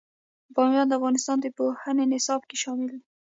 بامیان د افغانستان د پوهنې نصاب کې شامل دي.